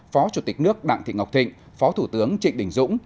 phó chủ tịch nước đặng thị ngọc thịnh phó thủ tướng trịnh đình dũng